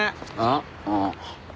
ああ。